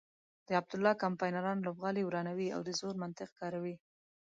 د عبدالله کمپاینران لوبغالی ورانوي او د زور منطق کاروي.